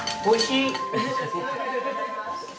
おいしい。